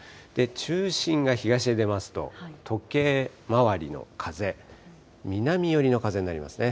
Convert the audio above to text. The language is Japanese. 中心が東へ出ますと、時計回りの風、南寄りの風になりますね。